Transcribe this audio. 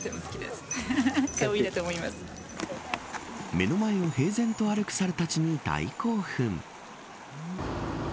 目の前を平然と歩く猿たちに大興奮。